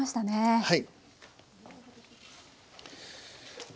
はい。